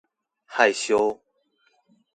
害羞